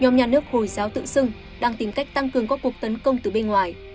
nhóm nhà nước hồi giáo tự xưng đang tìm cách tăng cường các cuộc tấn công từ bên ngoài